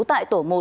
tại tổ một